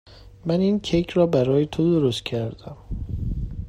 من این کیک را برای تو درست کردم.